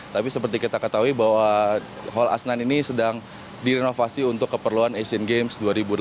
tapi seperti kita ketahui bahwa hall asnayan ini sedang direnovasi untuk keperluan asian games